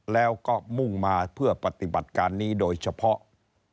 แล้วก็มุ่งมาเพื่อปฏิบัติการนี้โดยเฉพาะ